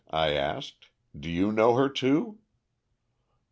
I asked. 'Do you know her, too?'